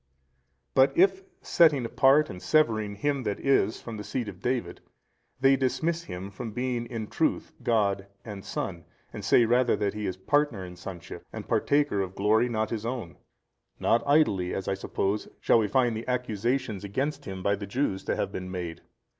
But if setting apart and severing him that is from the seed of David, they dismiss him from being in truth God and Son and say rather that he is partner in sonship and partaker of glory not his own, not idly (as I suppose) shall we find the accusations against Him by the Jews to have been made.